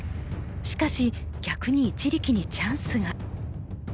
しかし逆に一力にチャンスが。